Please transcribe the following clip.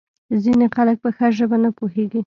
ځینې خلک په ښه ژبه نه پوهیږي.